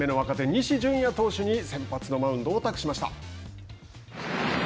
西純矢投手に先発のマウンドを託しました。